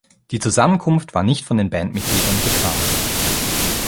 Die Zusammenkunft war nicht von den Bandmitgliedern geplant.